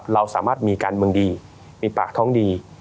เราสามารถมีการเมืองดีมีปากท้องดี